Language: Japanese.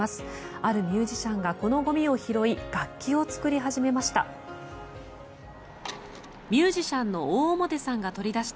あるミュージシャンがこのゴミを拾い楽器を作り始めました。